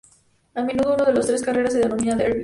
A menudo, una de las tres carreras se denomina "Derby".